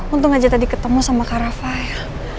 untung aja tadi ketemu sama karafail